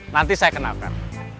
nanti saya kenalkan